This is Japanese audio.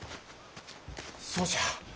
そうじゃ！